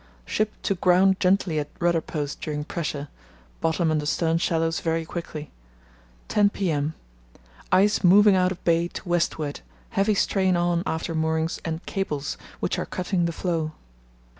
Ship took ground gently at rudder post during pressure; bottom under stern shallows very quickly. 10 p.m.—Ice moving out of bay to westward; heavy strain on after moorings and cables, which are cutting the floe."